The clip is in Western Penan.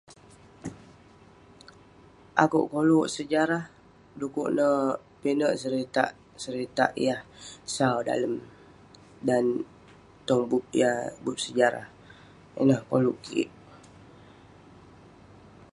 Akeuk koluk sejarah dukuk ne pinek seritak-seritak yah sau dalem dan tong bup yah bup sejarah. Ineh koluk kik.